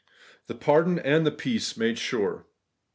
THE PARDON AND THE PEACE MADE SURE